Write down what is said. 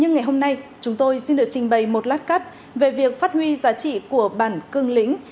nhưng ngày hôm nay chúng tôi xin được trình bày một lát cắt về việc phát huy giá trị của bản cương lĩnh